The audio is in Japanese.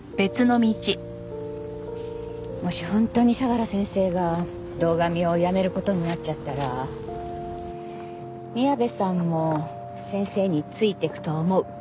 もし本当に相良先生が堂上を辞める事になっちゃったら宮部さんも先生についていくと思う。